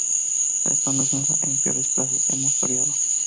Esto no es nada, en peores plazas hemos toreado